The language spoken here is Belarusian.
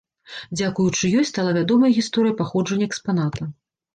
Дзякуючы ёй, стала вядомая гісторыя паходжання экспаната.